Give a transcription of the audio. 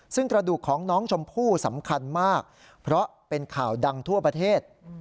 ซึ่งกระดูกของน้องชมพู่สำคัญมากเพราะเป็นข่าวดังทั่วประเทศ